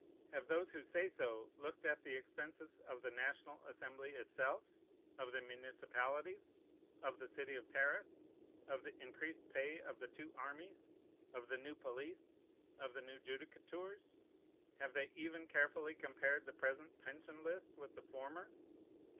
Have those who say so looked at the expenses of the National Assembly itself? of the municipalities? of the city of Paris? of the increased pay of the two armies? of the new police? of the new judicatures? Have they even carefully compared the present pension list with the former?